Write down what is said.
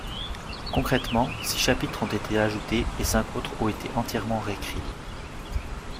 Concrètement, six chapitres ont été ajoutés, et cinq autres ont été entièrement récrits.